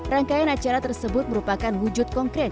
rangkaian acara tersebut merupakan wujud konkret